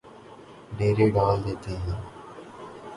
ڈیرے ڈال دیتے ہیں